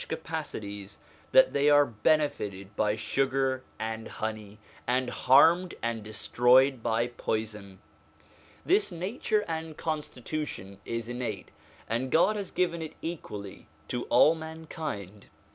250 SOME ANSWERED QUESTIONS capacities, that they are benefited by sugar and honey, and harmed and destroyed by poison. This nature and constitution is innate, and God has given it equally to all mankind.